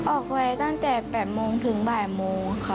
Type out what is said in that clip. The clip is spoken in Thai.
ออกไปตั้งแต่๘โมงถึงบ่ายโมงค่ะ